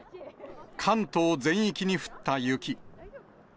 関東全域に降った雪。